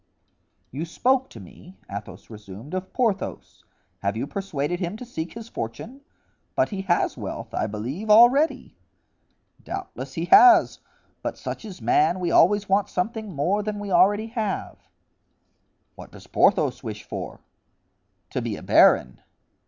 "You spoke to me," Athos resumed, "of Porthos; have you persuaded him to seek his fortune? But he has wealth, I believe, already." "Doubtless he has. But such is man, we always want something more than we already have." "What does Porthos wish for?" "To be a baron."